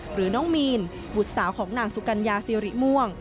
หรือน้องมีนบุตรสาวของนางสุกัญญาสิริม่วง